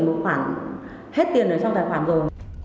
cũng khoảng hết tiền ở trong tài khoản rồi